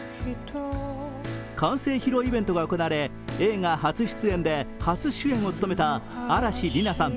完成披露イベントが行われ、映画初出演で初主演を務めた嵐莉菜さん